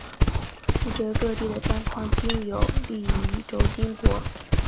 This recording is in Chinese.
世界各地的战况均有利于轴心国。